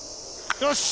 よし！